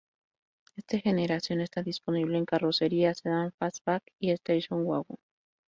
Esta generación está disponible en carrocería sedán, fastback y station wagon.